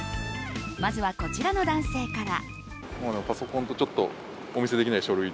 まずは、こちらの男性から。